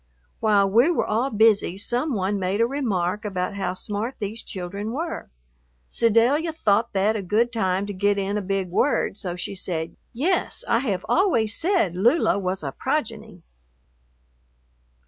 While we were all busy some one made a remark about how smart these children were. Sedalia thought that a good time to get in a big word, so she said, "Yes, I have always said Lula was a progeny."